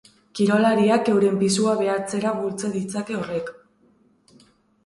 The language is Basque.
Kirolariak euren pisua behartzera bultza ditzake horrek.